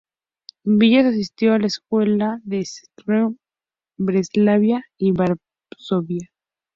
Villas asistió a la escuela en Szczecin, Breslavia y Varsovia.